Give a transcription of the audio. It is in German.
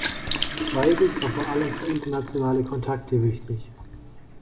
Weigelt war vor allem für internationale Kontakte wichtig.